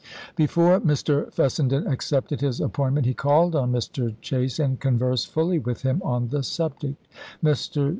pp. giq, 620. Before Mr. Fessenden accepted his appointment he called on Mr. Chase and conversed fully with him on the subject. Mr.